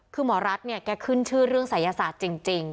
คือหมอรัฐเนี่ยแกขึ้นชื่อเรื่องศัยศาสตร์จริง